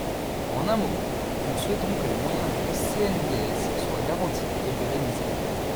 En un mot, nous souhaitons que les moyens du CNDS soient garantis et pérennisés.